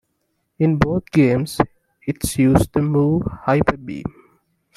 In both games, it'll use the move Hyper Beam.